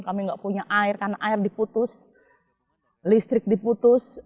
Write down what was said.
kami nggak punya air karena air diputus listrik diputus